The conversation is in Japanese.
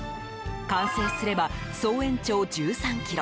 完成すれば総延長１３ｋｍ。